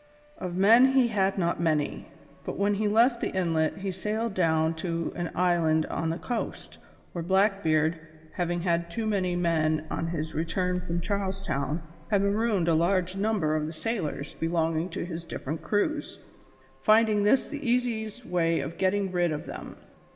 Of men he had not many, but when he left the inlet he sailed down to an island on the coast, where Blackbeard, having had too many men on his return from Charles Town, had marooned a large number of the sailors belonging to his different crews, finding this the easiest way of getting rid of them.